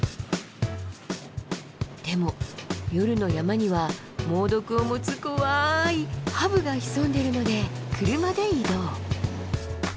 でも夜の山には猛毒を持つ怖いハブが潜んでるので車で移動。